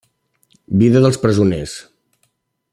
Vida dels presoners.